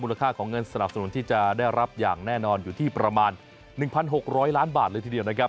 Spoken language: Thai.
ค่าของเงินสนับสนุนที่จะได้รับอย่างแน่นอนอยู่ที่ประมาณ๑๖๐๐ล้านบาทเลยทีเดียวนะครับ